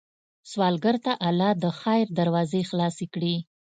سوالګر ته الله د خیر دروازې خلاصې کړې